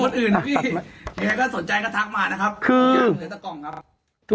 อันนี้ก็สนใจก็ทักมานะครับเหลือแต่กล่องนะครับ